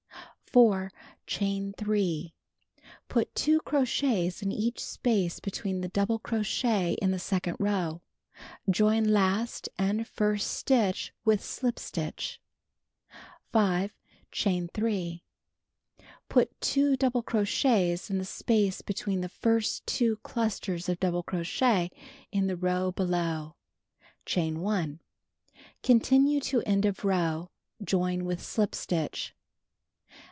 (See picture.) 4. Chain 3. Put 2 crochets in each space between the double crochet in the second row. Join last and first stitch with slip stitch. 5. Chain 3. Put 2 double crochets in the space between the first two clusters of double crochet in the row below. Chain 1. Continue to end of row. Join with slip stitch.